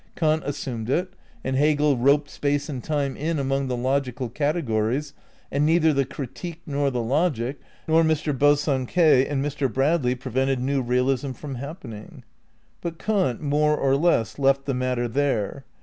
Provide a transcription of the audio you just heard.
Kant assumed it, and Hegel roped Space and Time in among the logi cal categories, and neither the Critique nor the Logic, nor Mr. Bosanquet and Mr. Bradley prevented New Realism from happening. But Kant more or less left the matter there.